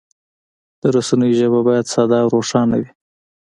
د رسنیو ژبه باید ساده او روښانه وي.